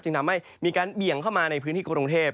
ทำให้มีการเบี่ยงเข้ามาในพื้นที่กรุงเทพ